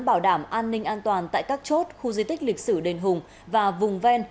bảo đảm an ninh an toàn tại các chốt khu di tích lịch sử đền hùng và vùng ven